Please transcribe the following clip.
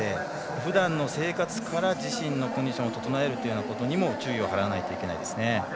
ふだんの生活から自身のコンディションを整えるのも注意を払わないといけないです。